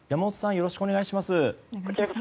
よろしくお願いします。